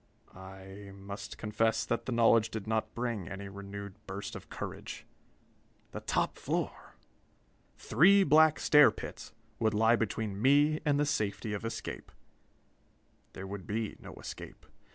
I must confess that the knowledge did not bring any renewed burst of courage! The top floor! Three black stair pits would lie between me and the safety of escape. There would be no escape!